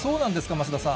増田さん。